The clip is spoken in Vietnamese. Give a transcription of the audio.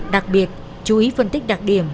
đặc biệt chú ý phân tích đặc điểm